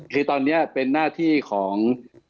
คือตอนนี้เป็นหน้าที่ของ